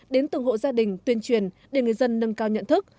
đến từng hộ gia đình tuyên truyền để người dân nâng cao nhận thức